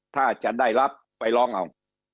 ถ้าจะได้รับไปร้องเอา